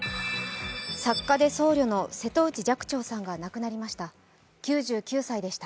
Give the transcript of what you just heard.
作家で僧侶の瀬戸内寂聴さんが亡くなりました。